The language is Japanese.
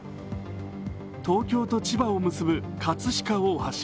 東京と千葉を結ぶ葛飾大橋。